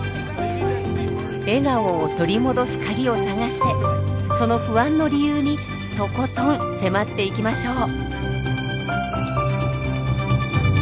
笑顔を取り戻す鍵を探してその不安の理由にとことん迫っていきましょう！